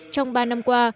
trong ba năm qua